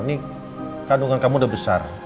ini kandungan kamu udah besar